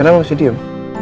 kenapa masih diem